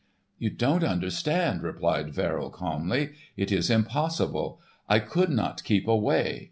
"You don't understand," replied Verrill, calmly. "It is impossible. I could not keep away.